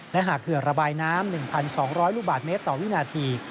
และหากเขื่อระบายน้ำ๑๒๐๐ลูกบาทเมตรต่อวินาที